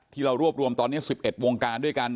ที่เรารวบรวมตอนนี้๑๑วงการด้วยกัน